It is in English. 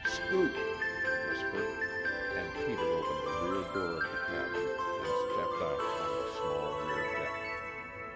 "Scoot!" he whispered, and Peter opened the rear door of the cabin and stepped out upon the small rear deck.